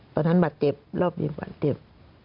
ตอนนั้นบาดเจ็บรอบนี้บาดเจ็บ